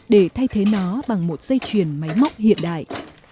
để thay thế nó bằng một dây chuyền máy móc hiện đại